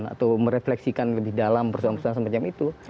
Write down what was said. atau merefleksikan lebih dalam persoalan persoalan semacam itu